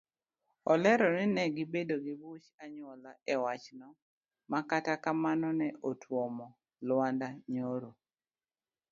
Olero ni ne gibedo kod buch anyuola ewachno makata kamano ne otuomo lwanda nyoro.